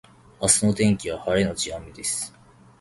明日の天気は晴れのち雨です